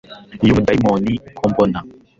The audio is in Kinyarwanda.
Yumudayimoni uko mbona